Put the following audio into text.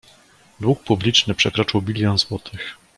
Dług publiczny przekroczył bilion złotych.